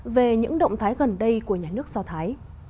về những động thái gần đây của nhà nước do thái